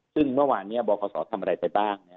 ซึ่งเมื่อวานนี้บคศทำอะไรไปบ้าง